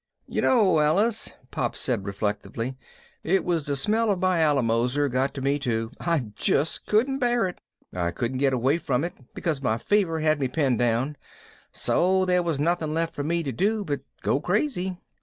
"You know, Alice," Pop said reflectively, "it was the smell of my Alamoser got to me too. I just couldn't bear it. I couldn't get away from it because my fever had me pinned down, so there was nothing left for me to do but go crazy.